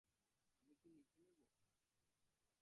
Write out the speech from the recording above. আমি কি লিখে নেব?